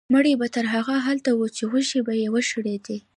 مړی به تر هغې هلته و چې غوښې به یې وشړېدې.